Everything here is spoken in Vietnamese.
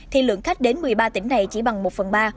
thì lượng khách đến một mươi ba tỉnh này chỉ bằng một phần ba